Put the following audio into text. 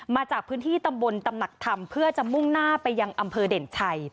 มาจากพื้นที่ตำบลตำหนักธรรมเพื่อจะมุ่งหน้าไปยังอำเภอเด่นชัย